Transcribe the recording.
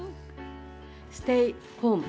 ステイホーム。